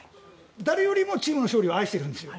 誰よりもチームの勝利を愛してるんですよ。